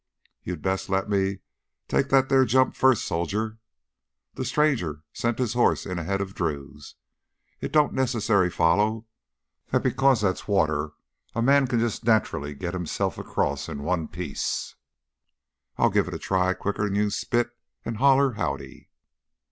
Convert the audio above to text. "You'd best let me take that theah jump first, soldier." The stranger sent his horse in ahead of Drew's. "It don't necessarily foller that because that's water a man can jus' natcherly git hisself across in one piece. I'll give it a try quicker'n you can spit and holler Howdy."